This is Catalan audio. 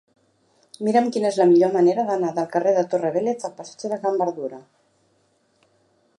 Mira'm quina és la millor manera d'anar del carrer de la Torre Vélez al passatge de Can Berdura.